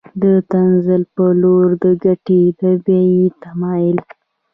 د تنزل په لور د ګټې د بیې تمایل